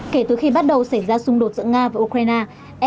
kể từ khi bắt đầu xảy ra xung đột giữa nga và ukraine